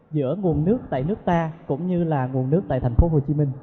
giữa nguồn nước tại nước ta cũng như là nguồn nước tại thành phố hồ chí minh